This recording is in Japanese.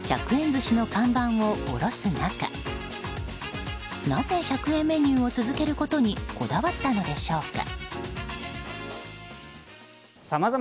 寿司の看板を下ろす中なぜ１００円メニューを続けることにこだわったのでしょうか。